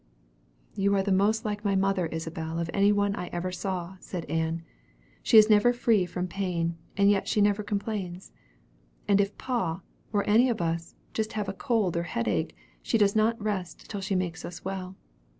"You are the most like my mother, Isabel, of any one I ever saw," said Ann. "She is never free from pain, yet she never complains. And if Pa, or any of us, just have a cold or head ache, she does not rest till 'she makes us well.'